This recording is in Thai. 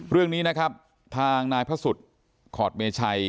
เรื่องนี้นะครับทางนายพระสุทธิ์ขอดเมชัย